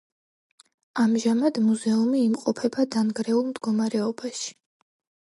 ამჟამად მუზეუმი იმყოფება დანგრეულ მდგომარეობაში.